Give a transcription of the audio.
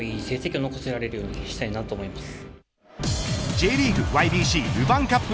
ＪリーグＹＢＣルヴァンカップ